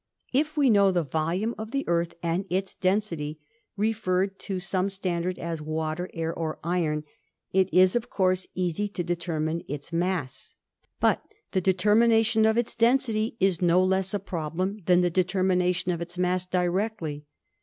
If we know the volume of the Earth and its density, re ferred to some standard as water, air or iron, it is of course easy to determine its mass. But the determination of its density is no less a problem than the determination of its mass directly.